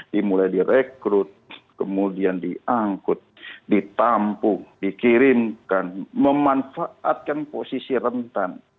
dimulai direkrut kemudian diangkut ditampung dikirimkan memanfaatkan posisi rentan